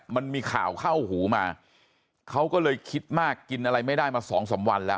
มันมีข่าวเข้าหูมาเขาก็เลยคิดมากกินอะไรไม่ได้มาสองสามวันแล้ว